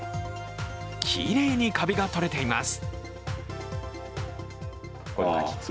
きれいにカビがとれています。